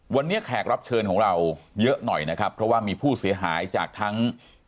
วันนี้แขกรับเชิญของเราเยอะหน่อยนะครับเพราะว่ามีผู้เสียหายจากทั้ง